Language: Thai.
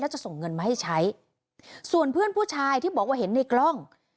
จะส่งเงินมาให้ใช้ส่วนเพื่อนผู้ชายที่บอกว่าเห็นในกล้อง